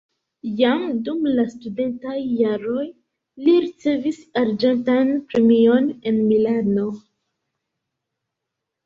Jam dum la studentaj jaroj li ricevis arĝentan premion en Milano.